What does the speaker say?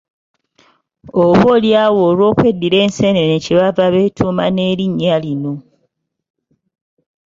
Oboolyawo olw’okweddira enseenene kye baava beetuuma n’erinnya lino.